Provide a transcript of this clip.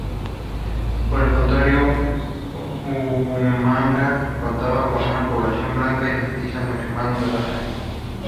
Por el contrario, Huamanga contaba con una población blanca y mestiza mucho más numerosa.